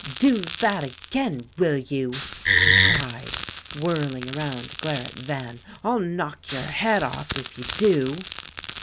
"Do that again, will you?" he cried, whirling around to glare at Van; "I'll knock your head off, if you do."